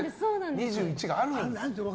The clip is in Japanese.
２１があるんですよ。